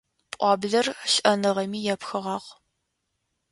Пӏуаблэр лӏэныгъэми епхыгъагъ.